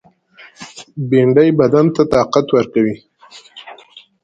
بېنډۍ بدن ته طاقت ورکوي